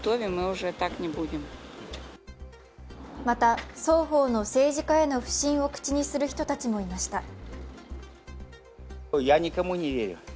また双方の政治家への不信を口にする人たちもいました。